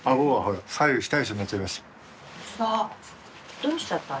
どうしちゃったの？